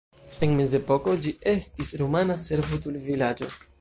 En mezepoko ĝi estis rumana servutulvilaĝo.